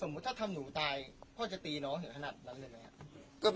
สมมุติถ้าทำหนูตายพ่อจะตีน้องเหนือขนาดแบบนั้นเลยไหมครับ